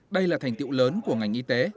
đây là thành tiệu lớn của ngành y tế